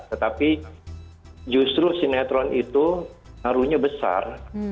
tetapi justru sinetron itu ngaruhnya besar